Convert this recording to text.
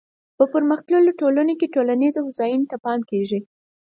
په پرمختللو ټولنو کې ټولنیزې هوساینې پام کیږي.